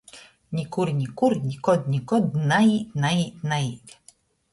Nikur, nikur nikod, nikod naīt, naīt, naīt.